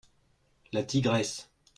La tigresse.